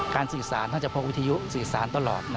สื่อสารท่านจะพกวิทยุสื่อสารตลอด